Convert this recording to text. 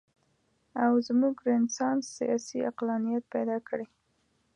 او زموږ رنسانس سیاسي عقلانیت پیدا کړي.